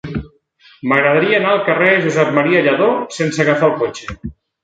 M'agradaria anar al carrer de Josep M. Lladó sense agafar el cotxe.